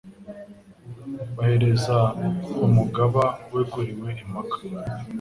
Bahereza Umugaba weguriwe impaka.